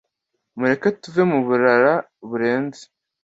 Mureke tuve mu burara berenze